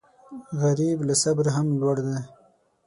غریب له صبره هم لوړ دی